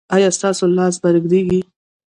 ایا ستاسو لاس به ریږدي؟